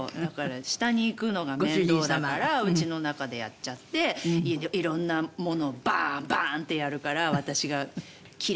下に行くのが面倒だからうちの中でやっちゃって色んなものをバーンバーンってやるから。